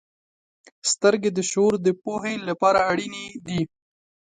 • سترګې د شعور د پوهې لپاره اړینې دي.